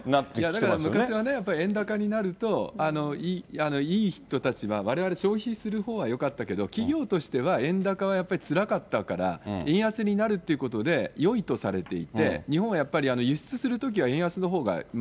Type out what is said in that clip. だから昔はね、円高になると、いい人たちは、われわれ消費するほうはよかったけど、企業としては円高はやっぱりつらかったから、円安になるっていうことでよいとされていて、日本はやっぱり、輸いいんですよね。